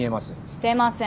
してません。